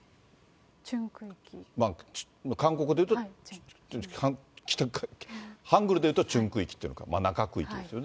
韓国で言うと、ハングルで言うと、チュン区域というのか、中区域ですよね。